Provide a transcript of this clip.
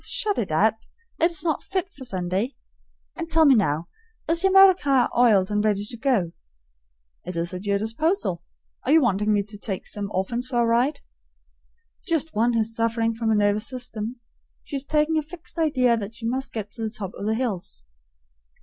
'" "Shut it up; it's not fit for Sunday. And tell me now, is yer motor car iled and ready to go?" "It is at your disposal. Are you wanting me to take some orphans for a ride?" "Just one who's sufferin' from a nervous system. She's taken a fixed idea that she must get to the top o' the hills."